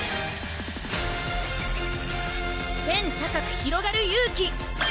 天高くひろがる勇気！